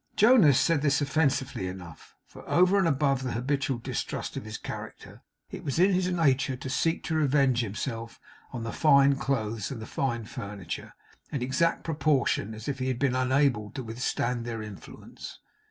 Jonas said this offensively enough; for over and above the habitual distrust of his character, it was in his nature to seek to revenge himself on the fine clothes and the fine furniture, in exact proportion as he had been unable to withstand their influence.